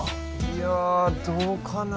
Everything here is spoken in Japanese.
いやどうかな？